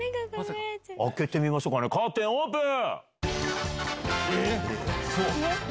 開けてみましょうかねカーテンオープン！